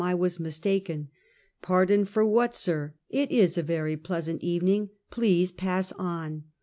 I was mistaken." " Pardon for what, sir? It is a very pleasant eve ning; please to pass on."